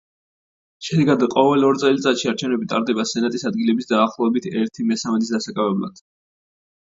შედეგად ყოველ ორ წელწადში არჩევნები ტარდება სენატის ადგილების დაახლოებით ერთი მესამედის დასაკავებლად.